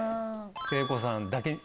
聖子さんだけ。